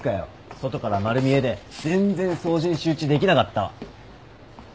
外から丸見えで全然掃除に集中できなかったわ。